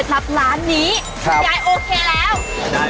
รับอย่างทุกวันหน้าเลย